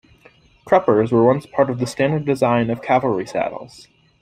Cruppers were once part of the standard design of cavalry saddles.